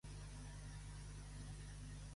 Per quin va obtenir el premi Gaudí?